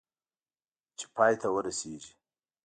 چې پای ته ورسېږي .